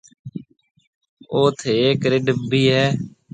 اوٿ هيڪ رڍ اُڀِي هيَ۔